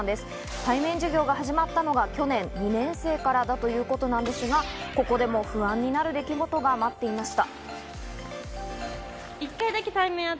対面授業が始まったのは去年、２年生からだというんですが、ここでも不安になる出来事が待っていました。